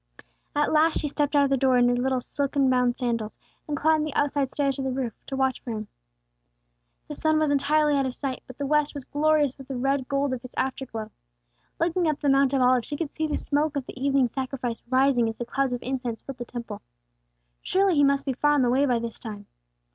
At last she stepped out of the door in her little silken bound sandals, and climbed the outside stairs to the roof, to watch for him. The sun was entirely out of sight, but the west was glorious with the red gold of its afterglow. Looking up the Mount of Olives, she could see the smoke of the evening sacrifice rising as the clouds of incense filled the Temple. Surely he must be far on the way by this time.